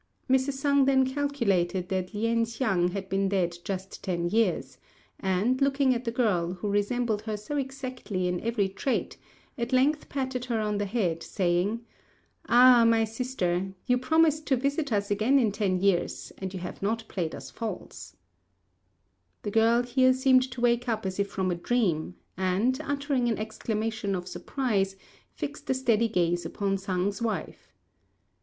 Mrs. Sang then calculated that Lien hsiang had been dead just ten years; and, looking at the girl, who resembled her so exactly in every trait, at length patted her on the head, saying, "Ah, my sister, you promised to visit us again in ten years, and you have not played us false." The girl here seemed to wake up as if from a dream, and, uttering an exclamation of surprise, fixed a steady gaze upon Sang's wife.